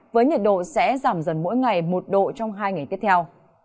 với nhiệt độ sẽ giảm dần mỗi ngày một độ trong hai ngày tiếp theo